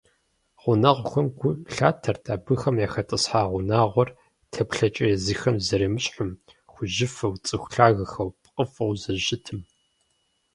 Гъунэгъухэм гу лъатэрт абыхэм яхэтӀысхьа унагъуэр теплъэкӀэ езыхэм зэремыщхьым, хужьыфэу, цӀыху лъагэхэу, пкъыфӀэу зэрыщытым.